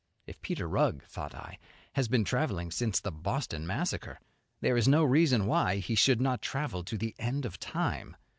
If Peter Rugg, thought I, has been travelling since the Boston Massacre, there is no reason why he should not travel to the end of time.